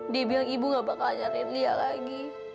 dia bilang ibu gak bakal ajarin dia lagi